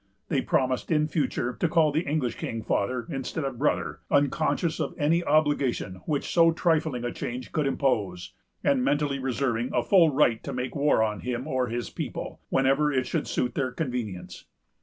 They promised, in future, to call the English king father, instead of brother; unconscious of any obligation which so trifling a change could impose, and mentally reserving a full right to make war on him or his people, whenever it should suit their convenience.